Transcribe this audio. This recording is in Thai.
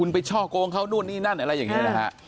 ไปเช่าเกงเขานู่นนี้นั้นอะไรอย่างนี้